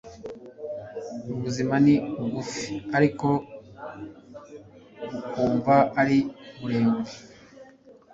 Ubuzima ni bugufi, ariko bukumva ari burebure.